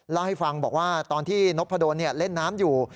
เล่าให้ฟังบอกว่าตอนที่นพดลเล่นน้ำอยู่